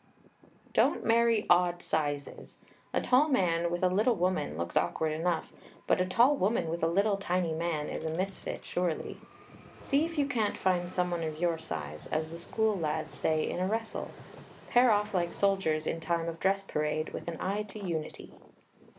Don't marry odd sizes. A tall man with a little woman looks awkward enough; but a tall woman with a little, tiny man is a misfit, surely. See if you can't find someone of your size, as the school lads say in a wrestle. Pair off like soldiers in time of dress parade, with an eye to unity.